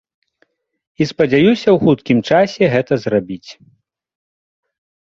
І спадзяюся ў хуткім часе гэта зрабіць.